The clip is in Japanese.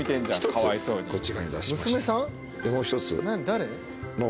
誰？